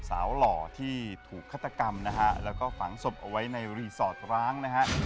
หล่อที่ถูกฆาตกรรมนะฮะแล้วก็ฝังศพเอาไว้ในรีสอร์ทร้างนะฮะ